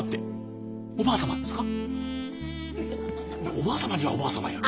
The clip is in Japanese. おばあ様にはおばあ様やろ。